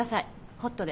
ホットで。